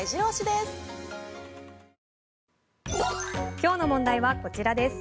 今日の問題はこちらです。